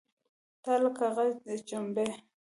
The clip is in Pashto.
تۀ لکه غږ د چمبې !